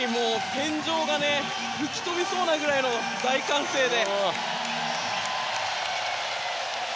天井が吹き飛びそうなぐらいの大歓声で。